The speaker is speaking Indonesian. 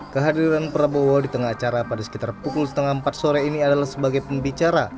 kehadiran prabowo di tengah acara pada sekitar pukul setengah empat sore ini adalah sebagai pembicara